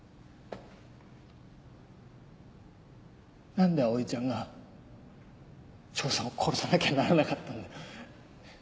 何で葵ちゃんが丈さんを殺さなきゃならなかったんだ。